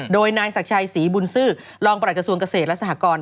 โดยนายศักดิ์ชัยศรีบุญซื้อรองประหลักกระทรวงเกษตรและสหกร